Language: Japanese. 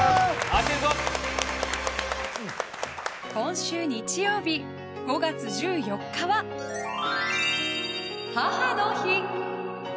今週日曜日、５月１４日は母の日。